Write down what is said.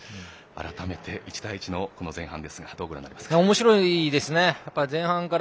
改めて１対１の前半ですがどうご覧になりますか？